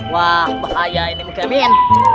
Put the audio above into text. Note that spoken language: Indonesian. wah bahaya ini bukan kita